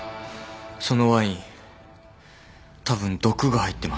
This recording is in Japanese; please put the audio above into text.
そのワインたぶん毒が入ってます。